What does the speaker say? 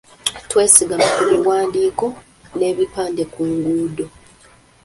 Twesigama ku biwandiiko n’ebipande ku nguudo.